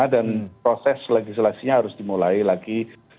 dan proses legislasinya harus dimulai lagi